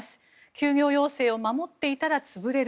休業要請を守っていたら潰れる。